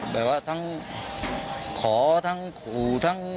แบบว่าทั้งขอทั้งขู่ทั้ง